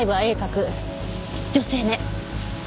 女性ね。